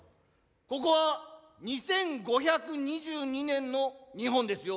ここは２５２２年の日本ですよ。